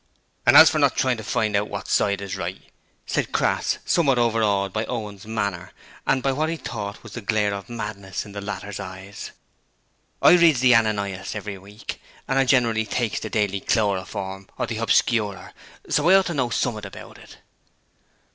'As for not trying to find out wot side is right,' said Crass, somewhat overawed by Owen's manner and by what he thought was the glare of madness in the latter's eyes, 'I reads the Ananias every week, and I generally takes the Daily Chloroform, or the Hobscurer, so I ought to know summat about it.'